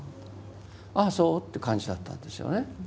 ああそうっていう感じだったんですよね。